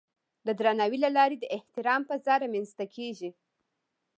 د درناوي له لارې د احترام فضا رامنځته کېږي.